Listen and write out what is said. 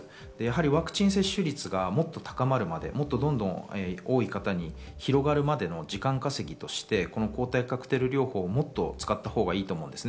ワクチン接種率がもっと高まるまで多い方に広がるまでの時間稼ぎとして、抗体カクテル療法をもっと使ったほうがいいと思います。